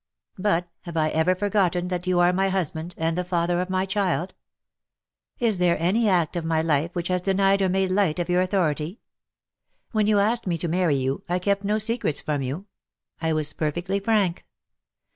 But, have I ever forgotten that you are my husband, and the father of my child ? Is there any act of my life which has denied or made light of your authority ? When you asked me to marry you I kept no secrets from you : I was perfectly frank."